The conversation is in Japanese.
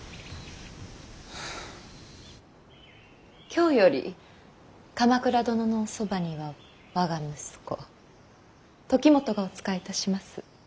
今日より鎌倉殿のおそばには我が息子時元がお仕えいたします。